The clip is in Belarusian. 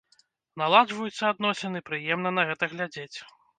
Наладжваюцца адносіны, прыемна на гэта глядзець.